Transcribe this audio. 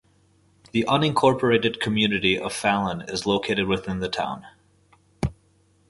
The unincorporated community of Falun is located within the town.